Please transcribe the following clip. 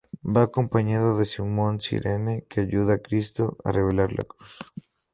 Va acompañado de Simón de Cirene, que ayuda a Cristo a llevar la cruz.